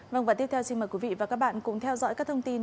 vâng và tiếp theo xin mời quý vị và các bạn cùng theo dõi các thông tin